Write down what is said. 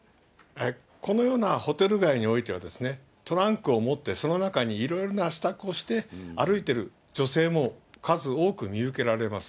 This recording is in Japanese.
このようなホテル街においては、トランクを持ってその中にいろんな支度をして、歩いてる女性も数多く見受けられます。